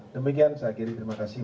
demikian saya kiri terima kasih